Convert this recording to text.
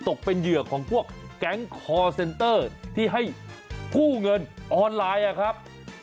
ตกเป็นเหยื่อของพวกแก๊งคอร์เซนเตอร์ที่ให้กู้เงินออนไลน์ครับ